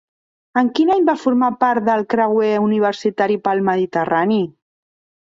En quin any va formar part del creuer universitari pel Mediterrani?